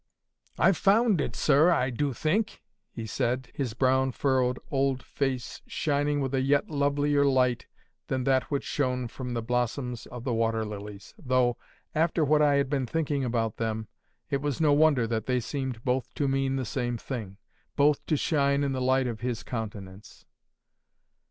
"I've found it, sir, I do think," he said, his brown furrowed old face shining with a yet lovelier light than that which shone from the blossoms of the water lilies, though, after what I had been thinking about them, it was no wonder that they seemed both to mean the same thing,—both to shine in the light of His countenance.